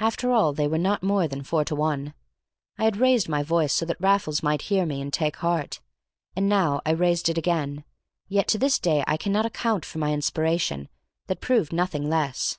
After all, they were not more than four to one. I had raised my voice, so that Raffles might hear me and take heart, and now I raised it again. Yet to this day I cannot account for my inspiration, that proved nothing less.